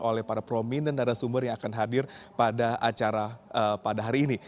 oleh para prominent narasumber yang akan hadir pada acara pada hari ini